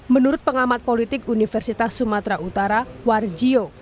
menurut pengamat politik universitas sumatera utara warjio